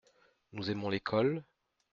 Nous aimons l’école ?